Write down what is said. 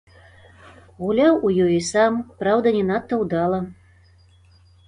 Гуляў у ёй і сам, праўда, не надта ўдала.